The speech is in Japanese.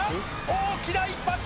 大きな一発！